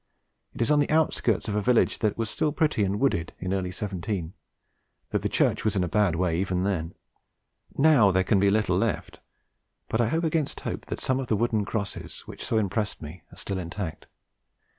It is on the outskirts of a village that was still pretty and wooded in early '17, though the church was in a bad way even then. Now there can be little left; but I hope against hope that some of the wooden crosses which so impressed me are still intact.